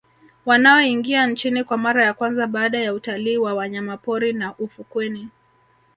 Wanaoingia nchini kwa mara ya kwanza baada ya utalii wa wanyamapori na ufukweni